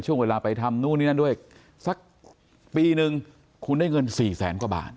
ช่วงเวลาไปทำนู่นนี่นั่นด้วยสักปีนึงคุณได้เงินสี่แสนกว่าบาท